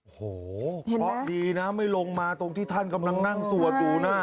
โอ้โหเพราะดีนะไม่ลงมาตรงที่ท่านกำลังนั่งสวดอยู่นะ